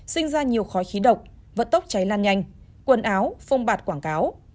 sinh ra nhiều khói khí độc vận tốc cháy lan nhanh quần áo phông bạt quảng cáo